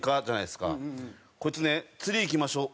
こいつね「釣り行きましょう。